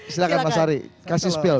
silahkan mas ari kasih spill